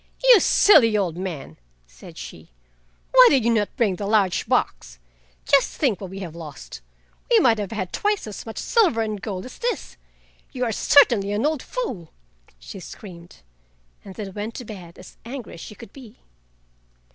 "You silly old man," said she, "Why did you not bring the large box? Just think what we have lost. We might have had twice as much silver and gold as this. You are certainly an old fool!" she screamed, and then went to bed as angry as she could be.